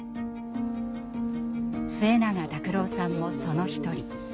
末永拓郎さんもその一人。